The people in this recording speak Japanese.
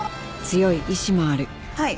「強い意志もある」